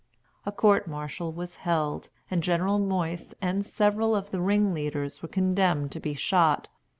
A court martial was held, and General Moyse and several of the ringleaders were condemned to be shot.